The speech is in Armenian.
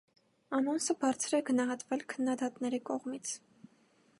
Անոնսը բարձր է գնահատվել քննադատների կողմից։